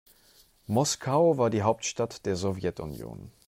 Moskau war die Hauptstadt der Sowjetunion.